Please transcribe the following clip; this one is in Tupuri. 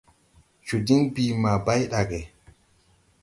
Joo diŋ bìi ma bay ɗage!